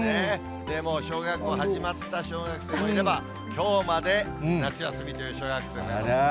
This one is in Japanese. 小学校始まった小学生もいれば、きょうまで夏休みという小学生もいます。